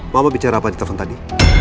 mama bicara apa di telepon tadi